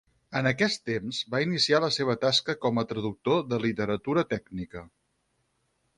En aquest temps va iniciar la seva tasca com a traductor de literatura tècnica.